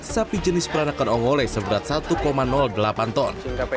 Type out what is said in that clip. sapi jenis peranakan ongole seberat satu delapan ton